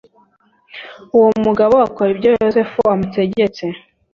uwo mugabo akora ibyo yosefu yamutegetse